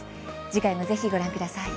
次回もぜひご覧ください。